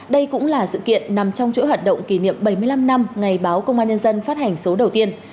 đây cũng là sự kiện nằm trong chuỗi hoạt động kỷ niệm bảy mươi năm năm ngày báo công an nhân dân phát hành số đầu tiên